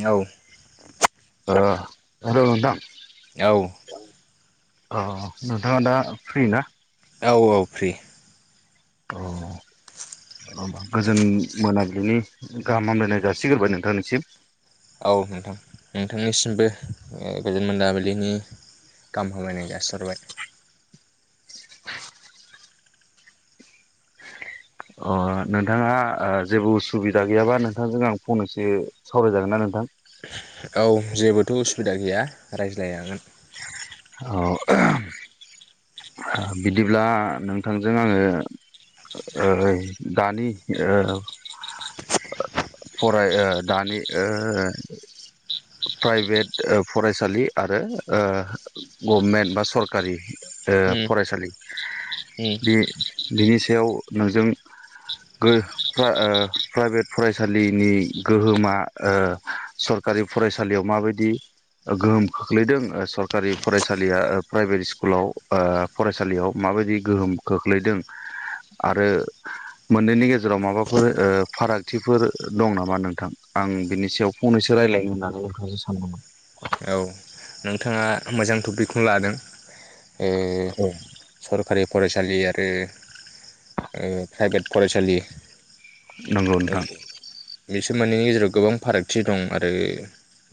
औ र र हेलौ नोंथां औ अ नोंथाङा दा फ्रि ना? औ औ फ्रि अ ओमबा गोजोन मोनाबिलिनि गाहाम हामलायनाय जासिग्रोबाय नोंथांनिसिम। औ नोंथां नोंथांनिसिमबो ओ गोजोन मोनाबिलिनि गाहाम हामलायनाय जासिहरबाय। अ नोंथाङा ओ जेबो उसुबिदा गैयाबा नोंथांजों आं फंनैसो सावरायजागोन ना नोंथां? औ जेबोथ' उसुबिदा गैया रायज्लाजागोन। अ [unintelligible] बिदिब्ला नोंथांजों आङो ओ दानि ओ फराय ओ दानि ओ प्राइभेट ओ फरायसालि आरो ओ गभमेन्ट बा सरकारि ओ उम फरायसालि उम बे बेनि [unintelligible] फरायसालिनि गोहोमा ओ सरकारि फरायसालियाव माबायदि गोहोम खोख्लैदों सरखारि फरायसालिया प्राइभेट स्कुलाव ओ फरायसालियाव माबायदि गोहोम खोख्लैदों आरो मोननैनि गेजेराव माबाफोर ओ फाराग थिफोर दं नामा नोंथां आं बिनि सायाव फंनैसो रायलायनो होननानै नोंथांजों सानदोंमोन। औ नोंथाङा मोजां टपिकखौनो लादों। ए औ सरखारि फरायसालि ओ ओ‌ प्रायभेट फरायसालि नोंगौ नोंथां। बिसोर मोननैनि गेजेराव गोबां फारागथि दं आरो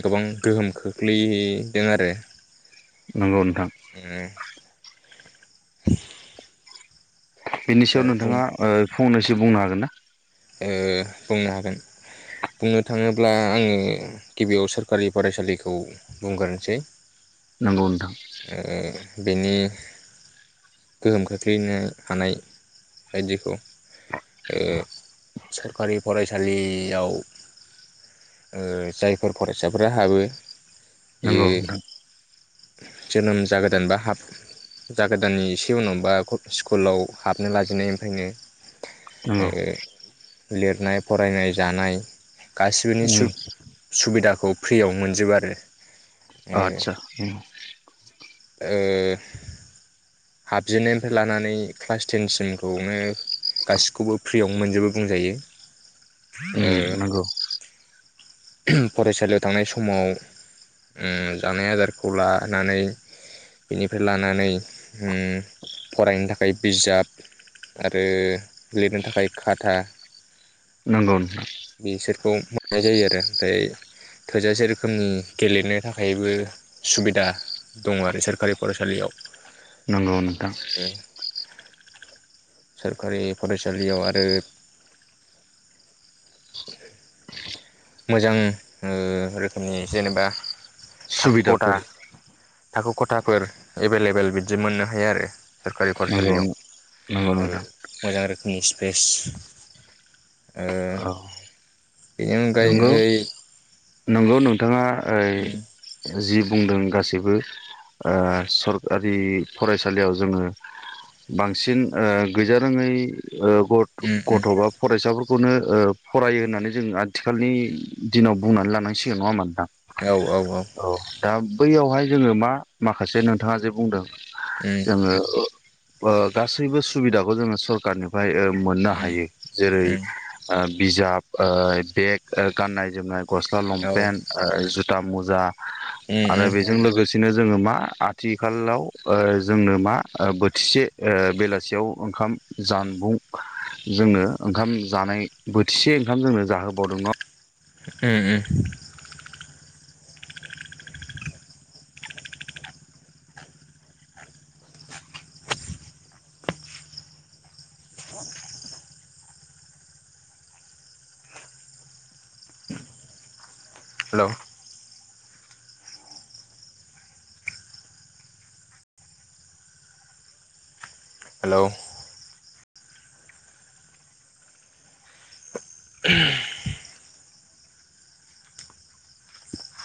गोबां गोहोम खोख्लै दों आरो। नंगौ नों [unintelligible] बिनि सायाव बुं नोंथाङा ओ फंनैसो बुंनो हागोन ना? ओ बुंनो हागोन बुंनो थाङोब्ला आङो गिबियाव सोरखारि फरायसालिखौ बुंग्रोसै नोंगौ नोंथां। बेनि गोहोम खोख्लैनो हानाय बायदिखौ ओ सरखारि फरायसालियाव ओ जायफोर फरायसाफोरा हाबो बियो नंगौ नोंथां। जोनोम जागोदान बा हाब जागोदाननि इसे उनावनोबा खक स्कुलाव हाबनो लाजेननायनिफ्रायनो नंगौ ओ लिरनाय, फरायनाय, जानाय गासिबोनि उम सुब-सुबिदाखौ फ्रियाव मोनजोबो आरो। ओ अह आदसा उम। ओ हाबजेननायनिफ्राय लानानै क्लास टेनसिमखौनो गासिखौबो फ्रियावनो मोनजोबो बुंजायो। ओ उम नंगौ। फरायसालियाव थांनाय समाव उम जानाय आदारखौ लानानै बेनिफ्राय लानानै हुम फरायनो थाखाय बिजाब आरो लिरनो थाखाय खाथा नंगौ नोंथां। बिसोरखौ मोननाय जायो आरो ओमफ्राय थोजासे रोखोमनि गेलेनो थाखायबो सुबिदा दङ आरो सोरखारि फरायसालियाव। नंगौ नोंथां। सोरखारि फरायसालियाव आरो मोजां ओ रोखोमनि जेनेबा थाखो खथा सुबिदाफोर थाखो खथाफोर एभेलेबेल बिदि मोननो हायो आरो। सोररखारि नंगौ फरायसालियाव नंगौ ओ नोंथां मोजां रोखोमनि बेस ओ बेनि अनगाय गौ नंगौ नोंथाङा उम ओइ जि बुंदों गासैबो ओ सरखारि फरायसालियाव जोङो बांसिन ओ गैजारोङै ओ गथ उम उम गथ' बा फरायसा [unintelligible] फोरनो ओ फरायो होननानै जोङो आद थिखालनि दिनाव बुंनानै लानांसिगोन नङा होनबा नोंथां? औ औ औ। दा बैयावहाय जोङो मा माखासे नोंथाङा जे बुंदों उम जोङो ओ ओ गासैबो सुबिदाखौ जोङो सरकारनिफ्राय ओ मोननो उम हायो जेरै उम ओम बिजाब, ओ बेग, ओ गाननाय जोमनाय गस्ला औ लंपेन्ट, उम ओ जुथ था मुजा उम आरो बेजों लोगोस दिनो जोङो मा आथिलाव ओ जोंनो मा ओ बोथिसे ओ बेलासेयाव ओंखाम जानबुं जोंनो ओंखाम जानाय बोथिसे ओंखाम जोङो जाहो [unintelligible] उ उ [inaudible] हेलौ हेलौ [inaudible]